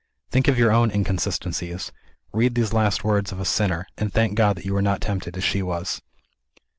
Think of your own "inconsistencies." Read these last words of a sinner and thank God that you were not tempted as she was